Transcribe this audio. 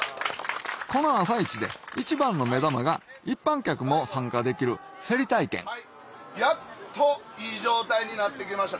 この朝市で一番の目玉が一般客も参加できる競り体験やっといい状態になってきました